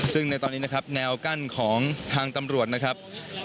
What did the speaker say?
ซึ่งในตอนนี้นะครับแนวกั้นของทางตำรวจนะครับ